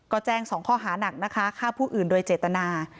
ก็แจ้ง๒ข้อหานักนะคะฆ่าผู้อื่นโดยเจตนา